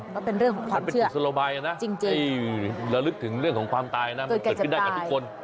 ก็เป็นเรื่องของความเชื่อจริงแล้วลึกถึงเรื่องของความตายนะมันเกิดกันได้กับทุกคน